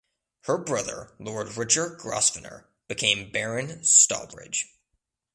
Her brother Lord Richard Grosvenor became Baron Stalbridge.